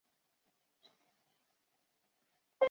主要经营钢铁产品。